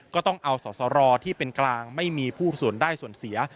ก็ต้องเอาสอสรที่เป็นกลางไม่มีผู้ส่วนได้ส่วนเสีย